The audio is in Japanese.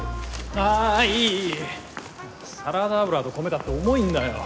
あぁいいいいサラダ油と米買って重いんだよ。